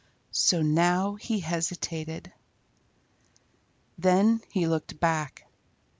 So now he hesitated. Then he looked back.